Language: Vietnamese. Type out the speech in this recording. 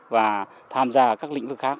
và tham gia các lĩnh vực khác